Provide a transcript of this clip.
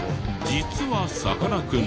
実はさかなクン。